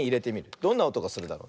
どんなおとがするだろう。